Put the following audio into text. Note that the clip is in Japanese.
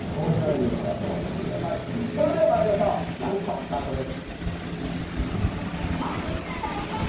それでは参りましょう、「ラヴィット！」スタートです。